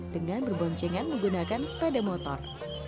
dengan berboncengan menggunakan sepeda motor